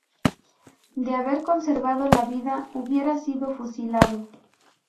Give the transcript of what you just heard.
De haber conservado la vida hubiera sido fusilado.